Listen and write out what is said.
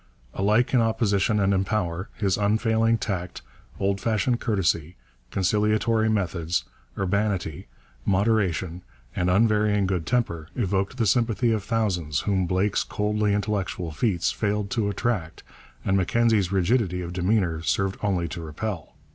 Alike in Opposition and in power, his unfailing tact, old fashioned courtesy, conciliatory methods, urbanity, moderation, and unvarying good temper evoked the sympathy of thousands whom Blake's coldly intellectual feats failed to attract and Mackenzie's rigidity of demeanour served only to repel.